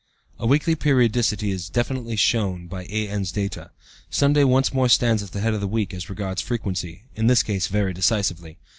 A weekly periodicity is very definitely shown by A.N.'s data. Sunday once more stands at the head of the week as regards frequency, in this case very decisively.